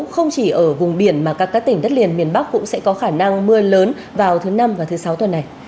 không chỉ ở vùng biển mà các tỉnh đất liền miền bắc cũng sẽ có khả năng mưa lớn vào thứ năm và thứ sáu tuần này